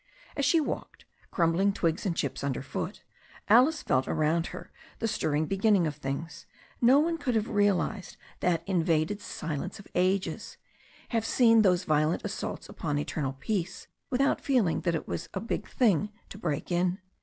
As she walked, crtunbling twigs and chips underfoot, Alice felt around her the stirring beginnings of things. No one could have realized that invaded silence of ages, have seen those violent assaults upon eternal peace, without feeling that it was a big thing to break in.